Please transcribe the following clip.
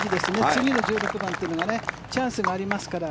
次の１６番というのがチャンスがありますから。